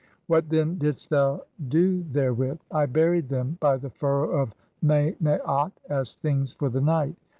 What, then, didst thou do "therewith? I buried them by the furrow of Manaat as 'things for "the night'.